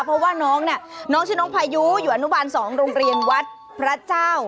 เพราะว่าน้องเนี่ยน้องชื่อน้องพายุอยู่อนุบาล๒โรงเรียนวัดพระเจ้า